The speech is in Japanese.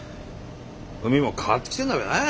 海も変わってきてんのがなあ。